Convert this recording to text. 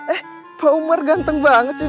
eh pak umar ganteng banget sih